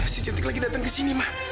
si cantik lagi datang ke sini ma